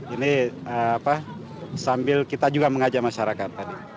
ini sambil kita juga mengajak masyarakat tadi